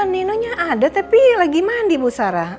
nino nya ada tapi lagi mandi bu sarah